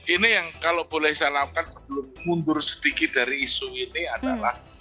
ini yang kalau boleh saya lakukan sebelum mundur sedikit dari isu ini adalah